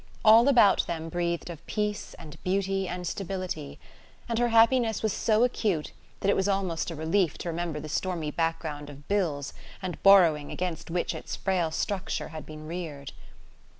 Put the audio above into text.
All about them breathed of peace and beauty and stability, and her happiness was so acute that it was almost a relief to remember the stormy background of bills and borrowing against which its frail structure had been reared.